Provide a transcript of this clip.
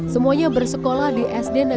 semuanya bersekolah di sd negeri